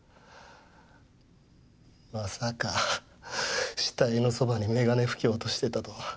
まさか死体のそばに眼鏡拭きを落としてたとは。